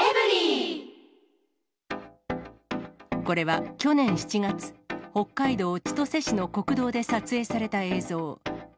これは、去年７月、北海道千歳市の国道で撮影された映像。